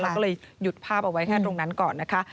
ก็เลยหยุดภาพเอาไว้แค่ตรงนั้นก่อนนะคะ